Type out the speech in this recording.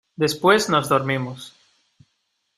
después nos dormimos.